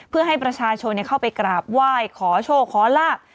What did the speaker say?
เพื่อให้ประชาชนเข้าไปกราบไหว้ขอโชคขอลาบ